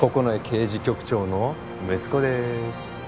九重刑事局長の息子です